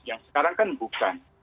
yang sekarang kan bukan